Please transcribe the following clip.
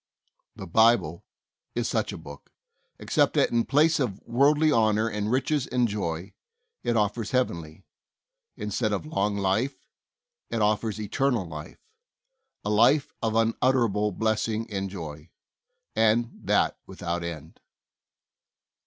The Bible is such a book, except that in place of worldly honor and riches and joy, it offers heavenly; instead of long life, it offers eternal life — a life of unutterable blessing and joy, and that without end.